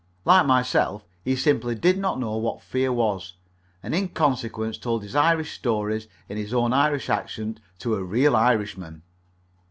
Like myself, he simply did not know what fear was, and in consequence told his Irish stories in his own Irish accent to a real Irishman.